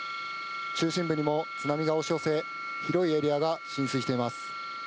中心部にも津波が押し寄せ広いエリアが浸水しています。